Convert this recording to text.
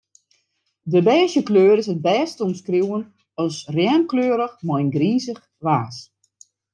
De bêzje kleur is it bêst te omskriuwen as rjemmekleurich mei in grizich waas.